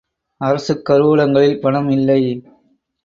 அரசுக் கருவூலங்களில் பணம் இல்லை.